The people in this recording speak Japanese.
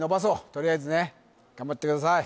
とりあえずね頑張ってください